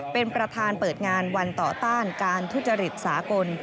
เป็นประธานเปิดงานวันต่อต้านการทุจริตสากล